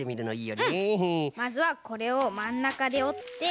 まずはこれをまんなかでおって。